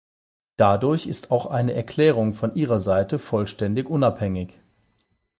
Dadurch ist auch eine Erklärung von ihrer Seite vollständig unabhängig.